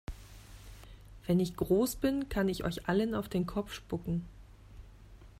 Wenn ich groß bin, kann ich euch allen auf den Kopf spucken!